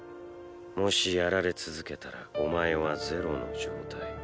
もしやられ続けたらお前はゼロの状態